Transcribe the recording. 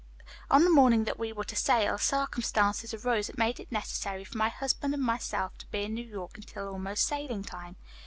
"On the morning that we were to sail, circumstances arose that made it necessary for my husband and myself to be in New York until almost sailing time.